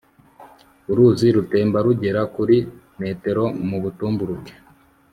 uruzi rutemba rugera kuri metero mu butumburuke